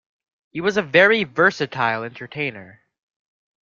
He was a very versatile entertainer